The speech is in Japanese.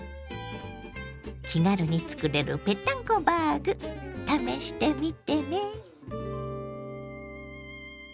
気軽につくれるぺったんこバーグ試してみてね。